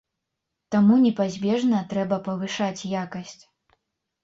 Таму непазбежна трэба павышаць якасць.